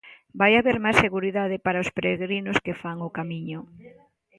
Vai haber máis seguridade para os peregrinos que fan o Camiño.